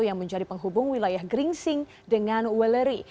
yang menjadi penghubung wilayah gringsing dengan weleri